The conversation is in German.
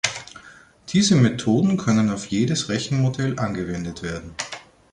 Diese Methoden können auf jedes Rechenmodell angewendet werden.